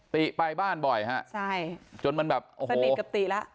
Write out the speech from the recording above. ติไปบ้านบ่อยฮะใช่จนมันแบบโอ้โหมันมีกับติแล้ว